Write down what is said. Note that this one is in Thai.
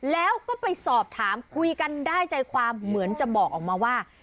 แล้วก็ไปสอบถามคุยกันได้ใจความเหมือนจะบอกออกมาว่า